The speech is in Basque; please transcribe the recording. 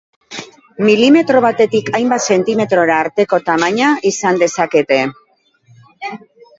Milimetro batetik hainbat zentimetrora arteko tamaina izan dezakete.